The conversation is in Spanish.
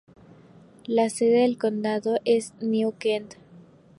La sede del condado es New Kent.